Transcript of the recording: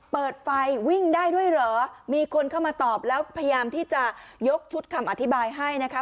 เปิดไฟวิ่งได้ด้วยเหรอมีคนเข้ามาตอบแล้วพยายามที่จะยกชุดคำอธิบายให้นะคะ